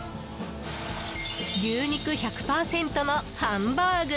牛肉１００％のハンバーグ。